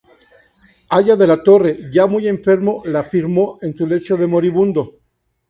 Haya de la Torre, ya muy enfermo, la firmó en su lecho de moribundo.